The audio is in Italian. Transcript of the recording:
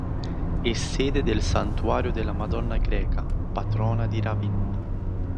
È sede del Santuario della Madonna Greca, Patrona di Ravenna.